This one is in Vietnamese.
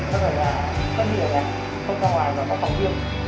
phân biến ở f không ra ngoài và có phản viên